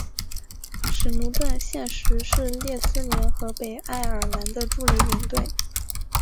史奴顿现时是列斯联和北爱尔兰的助理领队。